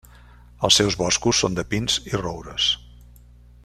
Els seus boscos són de pins i roures.